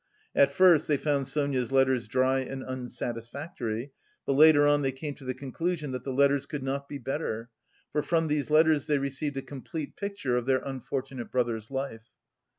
At first they found Sonia's letters dry and unsatisfactory, but later on they came to the conclusion that the letters could not be better, for from these letters they received a complete picture of their unfortunate brother's life.